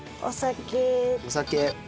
お酒。